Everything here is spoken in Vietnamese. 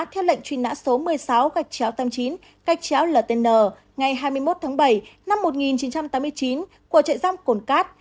theo lệnh truy nã số một mươi sáu ba mươi chín ltn ngày hai mươi một tháng bảy năm một nghìn chín trăm tám mươi chín của trại giam cổn cát